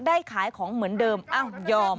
ขายของเหมือนเดิมอ้าวยอม